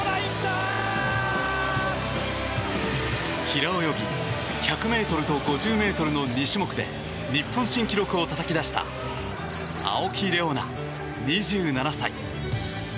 平泳ぎ１００ｍと５０ｍの２種目で日本新記録をたたき出した青木玲緒樹、２７歳。